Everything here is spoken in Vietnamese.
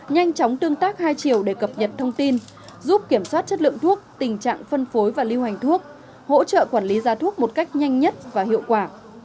nhanh chóng tương tác hai chiều để cập nhật thông tin giúp kiểm soát chất lượng thuốc tình trạng phân phối và lưu hành thuốc hỗ trợ quản lý gia thuốc một cách nhanh nhất và hiệu quả